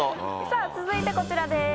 さぁ続いてこちらです。